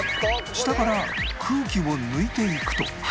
下から空気を抜いていくと